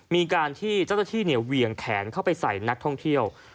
มีการที่เจ้าหน้าที่เหวี่ยงแขนเข้าไปใส่นักท่องเที่ยว